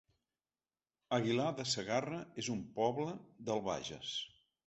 Aguilar de Segarra es un poble del Bages